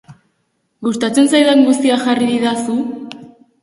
Gustatzen zaidan guztia jarri didazu?